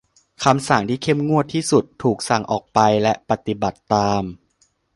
คำสั่งที่เข้มงวดที่สุดถูกสั่งออกไปและปฏิบัติตาม